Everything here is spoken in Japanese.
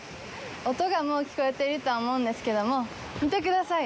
音が、もう聞こえていると思うんですけども、見てください。